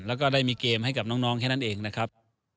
แล้วก็ได้มีเกมให้กับน้องแค่นั้นเองนะครับ